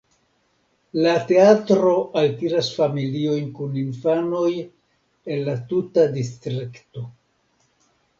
La teatro altiras familiojn kun infanoj el la tuta distrikto.